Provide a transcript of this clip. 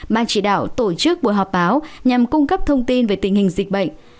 ban chỉ đạo tổ chức buổi họp báo nhằm cung cấp thông tin về tình hình dịch bệnh